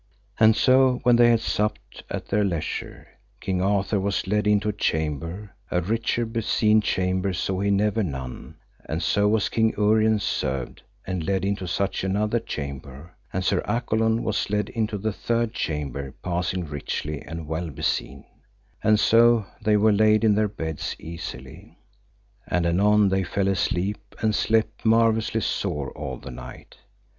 And so when they had supped at their leisure, King Arthur was led into a chamber, a richer beseen chamber saw he never none, and so was King Uriens served, and led into such another chamber, and Sir Accolon was led into the third chamber passing richly and well beseen; and so they were laid in their beds easily. And anon they fell asleep, and slept marvellously sore all the night.